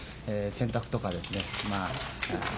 掃除とかですね